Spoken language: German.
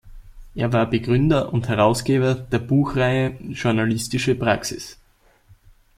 Er war Begründer und Herausgeber der Buchreihe Journalistische Praxis.